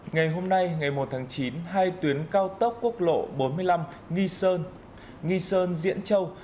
ngày hôm nay ngày một tháng chín hai tuyến cao tốc quốc lộ bốn mươi năm nghi sơn nghi sơn diễn châu